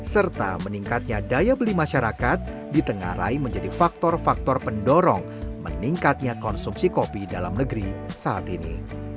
serta meningkatnya daya beli masyarakat ditengarai menjadi faktor faktor pendorong meningkatnya konsumsi kopi dalam negeri saat ini